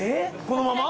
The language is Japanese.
このまま？